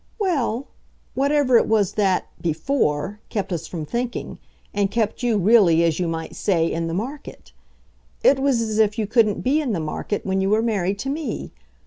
"Well, whatever it was that, BEFORE, kept us from thinking, and kept you, really, as you might say, in the market. It was as if you couldn't be in the market when you were married to me.